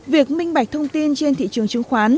việc minh bạch thông tin trên thị trường chứng khoán